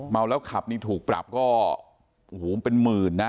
เมาแล้วขับนี่ถูกปรับก็โอ้โหเป็นหมื่นนะ